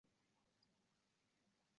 ўlmak kaʙi muşkuldir